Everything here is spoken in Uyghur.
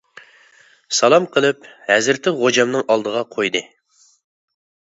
سالام قىلىپ، ھەزرىتى خوجامنىڭ ئالدىغا قويدى.